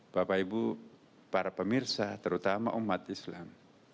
bapak ibu para pemirsa terutama umat islam